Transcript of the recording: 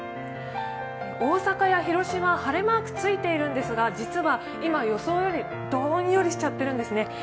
大阪や広島は晴れマークがついているんですが実は今、予想よりどんよりしちゃってるんですね。